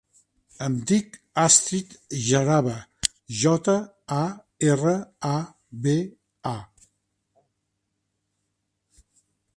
Em dic Astrid Jaraba: jota, a, erra, a, be, a.